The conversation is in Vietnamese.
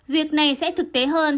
việc này sẽ thực tế hơn